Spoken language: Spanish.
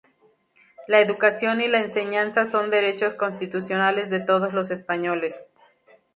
La educación y la enseñanza son derechos constitucionales de todos los españoles.